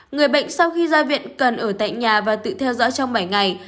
người bệnh sau khi gia viện cần ở tại nhà và tự theo dõi trong bảnh